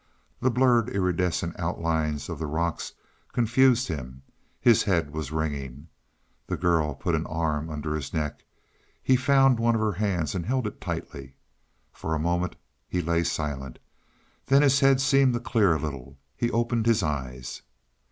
The blurred, iridescent outlines of the rocks confused him; his head was ringing. The girl put an arm under his neck. He found one of her hands, and held it tightly. For a moment he lay silent. Then his head seemed to clear a little; he opened his eyes.